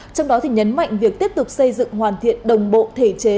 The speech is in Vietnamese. trong đó nhấn mạnh việc tiếp tục xây dựng hoàn thiện đồng bộ thể chế